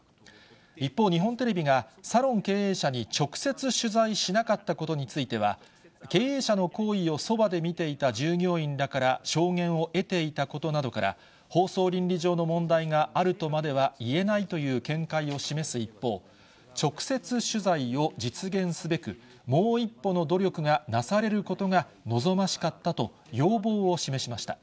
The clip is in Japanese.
一方、日本テレビがサロン経営者に直接取材しなかったことについては、経営者の行為をそばで見ていた従業員らから証言を得ていたことなどから、放送倫理上の問題があるとまでは言えないという見解を示す一方、直接取材を実現すべく、もう一歩の努力がなされることが望ましかったと要望を示しました。